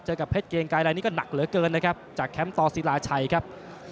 กับเพชรเกียงกายอะไรนี่ก็หนักเหลือเกินนะครับจากแคมปศิลาชัยครับ